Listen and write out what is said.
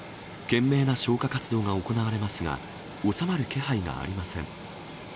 懸命な消火活動が行われますが、収まる気配がありません。